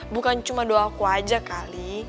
bukan cuma doaku aja kali